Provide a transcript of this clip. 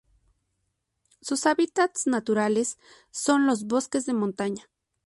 Su hábitats naturales son los bosques de montaña.